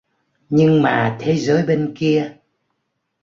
Nhưng mà thế giới bên kia